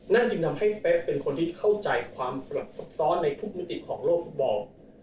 จึงทำให้เป๊กเป็นคนที่เข้าใจความสลับซับซ้อนในทุกมิติของโลกฟุตบอล